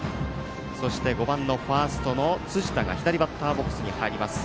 ５番のファーストの辻田が左バッターボックスに入りました。